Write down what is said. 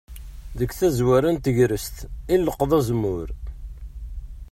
Deg tazwara n tegrest i nleqqeḍ azemmur.